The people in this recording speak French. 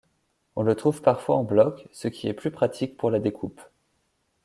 On le trouve parfois en blocs, ce qui est plus pratique pour la découpe.